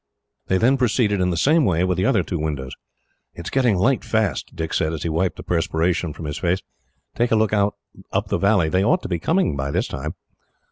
They then proceeded, in the same way, with the other two windows. "It is getting light fast," Dick said, as he wiped the perspiration from his face. "Take a look out up the valley. They ought to be coming by this time."